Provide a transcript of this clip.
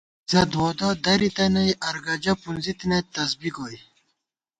عزت وودہ درِتہ نئ ارگجہ پُنزِی تنَئیت تسبی گوئی